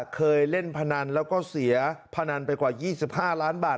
เคยเล่นพนันแล้วก็เสียพนันไปกว่า๒๕ล้านบาท